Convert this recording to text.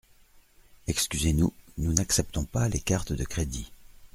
Excusez-nous, nous n’acceptons pas les cartes de crédit.